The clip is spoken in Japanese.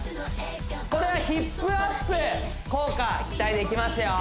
これはヒップアップ効果期待できますよ